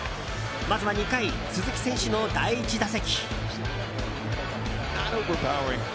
まずは２回、鈴木選手の第１打席。